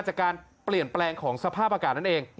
จากการเปลี่ยนแปลงของสภาพอากาศนั่นเอง